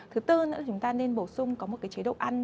thứ tư nữa chúng ta nên bổ sung có một cái chế độ ăn